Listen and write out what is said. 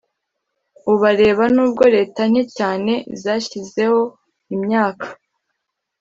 Ubareba nubwo leta nke cyane zashyizeho imyaka